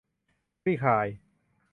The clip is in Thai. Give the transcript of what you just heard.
คลี่คลาย